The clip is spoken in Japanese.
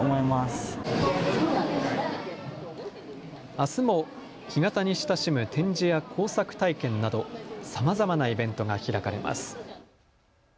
あすも干潟に親しむ展示や工作体験などさまざまなイベントが開かれます。